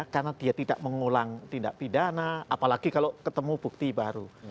karena dia tidak mengulang tindak pidana apalagi kalau ketemu bukti baru